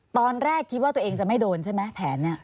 ตอนแรกคิดว่าตัวเองจะไม่โดนใช่ไหมแผนเนี่ย